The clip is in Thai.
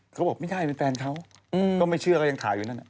เขาบอกไม่ใช่เป็นแฟนเขาก็ไม่เชื่อก็ยังถ่ายอยู่นั่น